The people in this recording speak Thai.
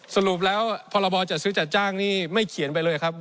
สรุปแล้วปรบจจนี่ไม่เขียนไปเลยครับ